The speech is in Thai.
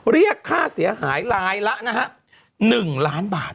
เรียกค่าเสียหายลายละนะฮะ๑ล้านบาท